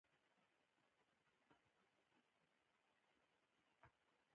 نن مې وفات شوی پلار سترګو سترګو ته کېږي. خدای دې جنتونه ورکړي.